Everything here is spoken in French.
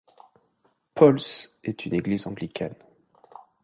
Paul's est une église anglicane.